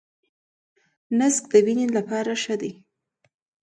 نسک د وینې لپاره ښه دي.